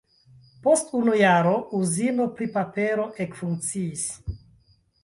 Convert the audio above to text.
Post unu jaro uzino pri papero ekfunkciis.